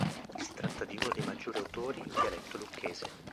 Si tratta di uno dei maggiori autori in dialetto lucchese.